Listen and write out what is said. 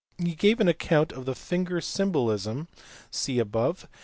He gave an account of the finger symbolism (see above, p.